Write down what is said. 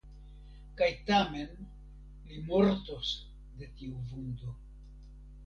Kaj tamen li mortos de tiu vundo.